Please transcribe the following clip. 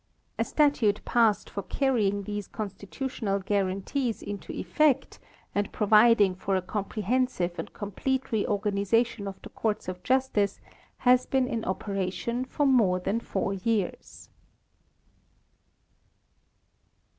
A statute passed for carrying these constitutional guarantees into effect and providing for a comprehensive and complete reorganization of the courts of justice has been in opera tion for more than four years.